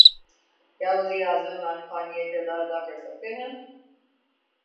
کیا وزیر اعظم عمران خان یہ کردار ادا کر سکتے ہیں؟